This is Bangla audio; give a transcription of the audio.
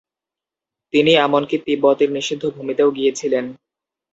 তিনি এমনকি তিব্বতের নিষিদ্ধ ভূমিতেও গিয়েছিলেন।